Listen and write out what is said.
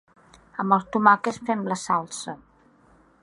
Amb els tomàquets fem la salsa.